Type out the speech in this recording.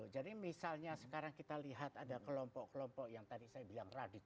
jadi misalnya sekarang kita lihat ada kelompok kelompok yang tadi saya bilang radikal